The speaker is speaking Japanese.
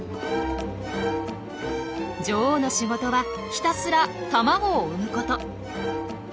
女王の仕事はひたすら卵を産むこと。